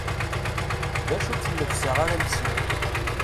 D acu-tt llebsa ara lsen.